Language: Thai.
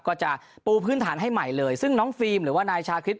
ก็จะปูพื้นฐานให้ใหม่เลยซึ่งน้องฟิล์มหรือว่านายชาคริส